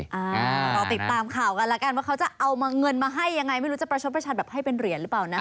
รอติดตามข่าวกันแล้วกันว่าเขาจะเอาเงินมาให้ยังไงไม่รู้จะประชดประชันแบบให้เป็นเหรียญหรือเปล่านะ